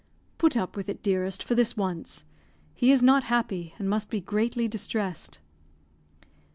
"Put up with it, dearest, for this once. He is not happy, and must be greatly distressed."